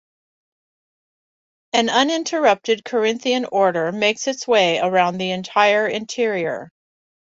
An uninterrupted Corinthian order makes its way around the entire interior.